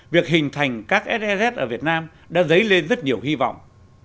việc hình thành các sts ở việt nam đã dấy lên rất nhiều hy vọng